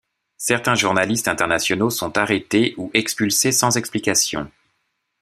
Certains journalistes internationaux sont arrêtés ou expulsés sans explication.